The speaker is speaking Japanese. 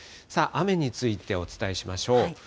雨についてお伝えしましょう。